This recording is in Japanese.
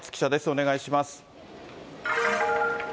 お願いします。